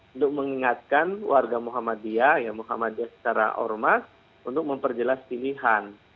untuk mengingatkan warga muhammadiyah ya muhammadiyah secara ormas untuk memperjelas pilihan